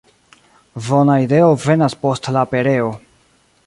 Bona ideo venas post la pereo.